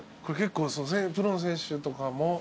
これ結構プロの選手とかも？